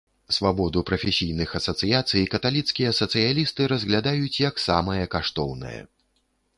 Свабоду прафесійных асацыяцый каталіцкія сацыялісты разглядаюць, як самае каштоўнае.